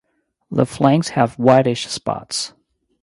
The flanks have whitish spots.